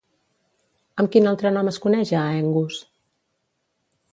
Amb quin altre nom es coneix a Aengus?